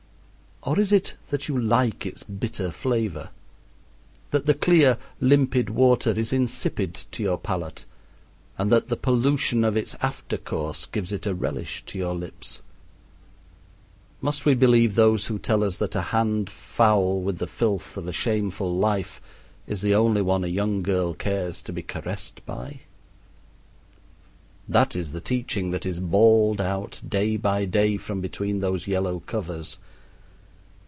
Or is it that you like its bitter flavor that the clear, limpid water is insipid to your palate and that the pollution of its after course gives it a relish to your lips? Must we believe those who tell us that a hand foul with the filth of a shameful life is the only one a young girl cares to be caressed by? That is the teaching that is bawled out day by day from between those yellow covers.